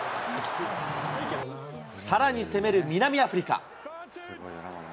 さらに攻める南アフリカ。